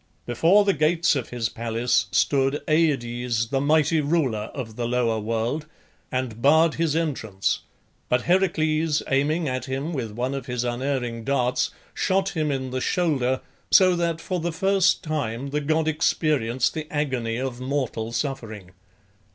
Before the gates of his palace stood Aides the mighty ruler of the lower world, and barred his entrance; but Heracles, aiming at him with one of his unerring darts, shot him in the shoulder, so that for the first time the god experienced the agony of mortal suffering.